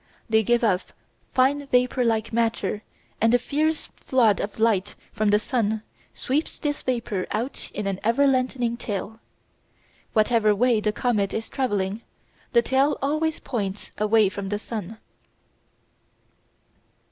They give off fine vapour like matter and the fierce flood of light from the sun sweeps this vapour out in an ever lengthening tail. Whatever way the comet is travelling, the tail always points away from the sun.